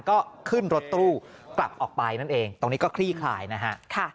ก็ขึ้นรถตู้กลับออกไปนั่นเองตรงนี้ก็คลี่คลายนะฮะ